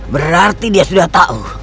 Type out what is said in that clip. berarti dia sudah tahu